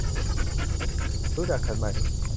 รู้จักฉันไหม ?